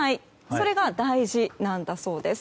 それが大事なんだそうです。